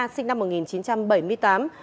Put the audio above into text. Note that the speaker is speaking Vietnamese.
sinh năm một nghìn chín trăm bảy mươi tám